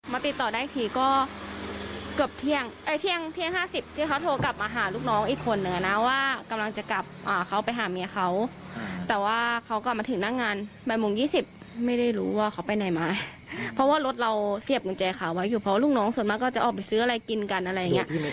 ติดต่อได้อีกทีก็เกือบเที่ยง๕๐ที่เขาโทรกลับมาหาลูกน้องอีกคนนึงนะว่ากำลังจะกลับเขาไปหาเมียเขาแต่ว่าเขากลับมาถึงหน้างานบ่ายโมง๒๐ไม่ได้รู้ว่าเขาไปไหนมาเพราะว่ารถเราเสียบกุญแจขาไว้อยู่เพราะลูกน้องส่วนมากก็จะออกไปซื้ออะไรกินกันอะไรอย่างเงี้ย